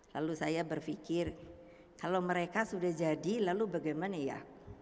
lalu saya berpikir kalau mereka sudah jadi lalu bagaimana ya